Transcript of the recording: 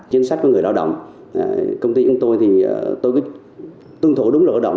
chính sách của người lao động công ty như tôi thì tôi cứ tuân thủ đúng lao động